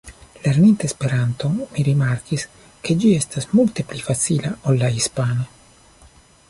Lerninte Esperanton mi rimarkis, ke ĝi estas multe pli facila ol la hispana.